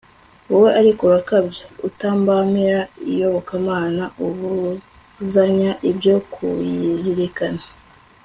wowe ariko urakabya, utambamira iyobokamana, ubuzanya ibyo kuyizirikana